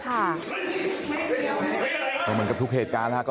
น้าสาวของน้าผู้ต้องหาเป็นยังไงไปดูนะครับ